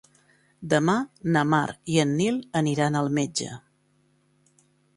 Demà na Mar i en Nil aniran al metge.